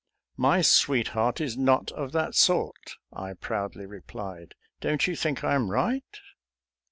" My sweetheart is not of that sort," I proudly replied. Don't you think I am right?